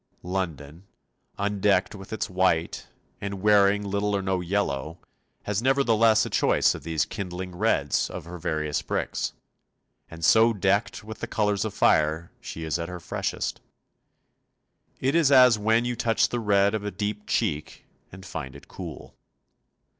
London, undecked with its white, and wearing little or no yellow, has nevertheless a choice of these kindling reds of her various bricks; and so decked with the colours of fire she is at her freshest. It is as when you touch the red of a deep cheek and find it cool.